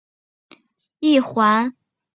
上环原是四环九约里其中一环。